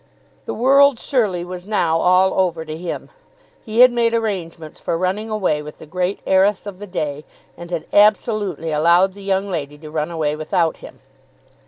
The world surely was now all over to him. He had made arrangements for running away with the great heiress of the day, and had absolutely allowed the young lady to run away without him.